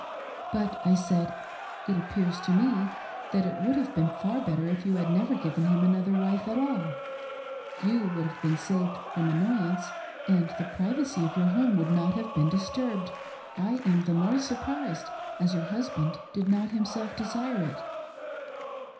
" But," I said', " if appears to me that it would have been far better if you had never given him another wife at all. You would have been saved from annoyance, and the privacy of your home would not have been disturbed. I am the more surprised, as your husband did not himself desire it."